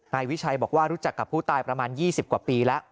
นายวิชัยบอกว่ารู้จักกับผู้ตายประมาณ๒๐กว่าปีแล้ว